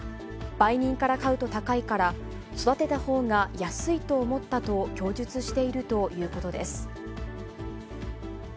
売人から買うと高いから、育てたほうが安いと思ったと供述しているということです。